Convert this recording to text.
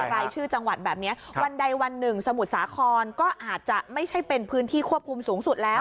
รายชื่อจังหวัดแบบนี้วันใดวันหนึ่งสมุทรสาครก็อาจจะไม่ใช่เป็นพื้นที่ควบคุมสูงสุดแล้ว